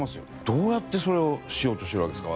どうやってそれをしようとしてるわけですか？